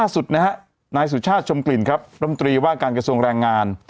สุชาติชมกลิ่นครับลำตรีว่าการกระทรวงแรงงาน